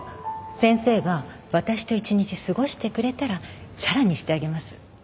先生が私と一日過ごしてくれたらちゃらにしてあげます。